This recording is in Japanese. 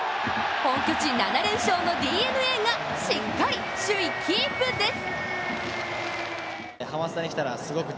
本拠地７連勝のＤｅＮＡがしっかり、首位キープです。